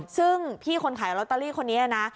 ซึ่งพี่คนขายลอตเตอรี่คนนี้นะ